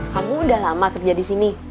kamu udah lama kerja di sini